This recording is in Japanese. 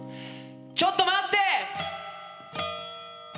「ちょっと待って！」